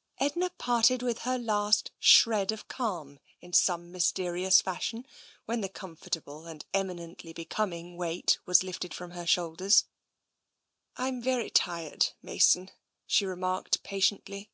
" Edna parted with her last shred of calm, in some mysterious fashion, when the comfortable and emi nently becoming weight was lifted from her shoulders. '* I am very tired, Mason," she remarked patiently.